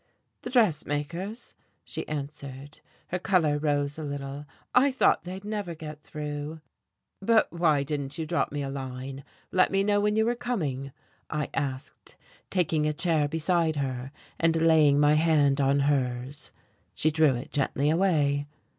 "The dressmakers," she answered. Her colour rose a little. "I thought they'd never get through." "But why didn't you drop me a line, let me know when you were coming?" I asked, taking a chair beside her, and laying my hand on hers. She drew it gently away.